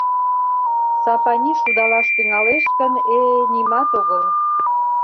Сапани шудалаш тӱҥалеш гын... э, нимат огыл!..